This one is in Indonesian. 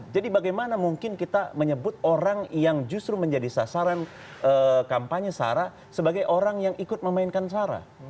bagaimana mungkin kita menyebut orang yang justru menjadi sasaran kampanye sarah sebagai orang yang ikut memainkan sara